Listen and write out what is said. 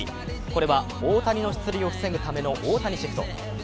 これは大谷の出塁を防ぐための大谷シフト。